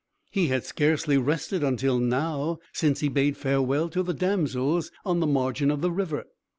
He had scarcely rested, until now, since he bade farewell to the damsels on the margin of the river.